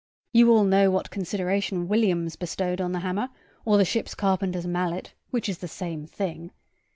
You all know what consideration Williams bestowed on the hammer, or the ship carpenter's mallet, which is the same thing.